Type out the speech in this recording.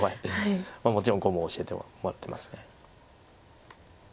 もちろん碁も教えてもらってます。